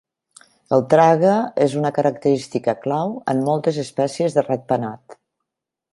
El trague és una característica clau en moltes espècies de ratpenat.